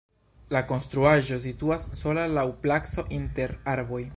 La konstruaĵo situas sola laŭ placo inter arboj.